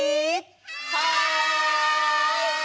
はい！